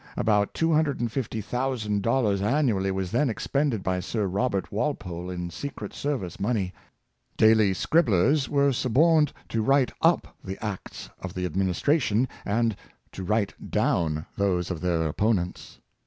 About $250,000 an nually was then expended by Sir Robert Walpole in secret service money. Daily scribblers were suborned to write up the acts of the administration, and to write down those of their opponents.